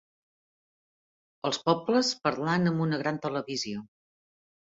els pobles parlant amb una gran televisió